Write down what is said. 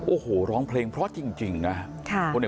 โอ้โหร้องเพลงเพราะจริงนะ